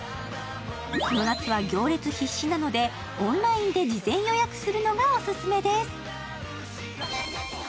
この夏は行列必至なのでオンラインで事前予約するのがオススメです。